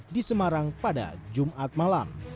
di semarang pada jumat malam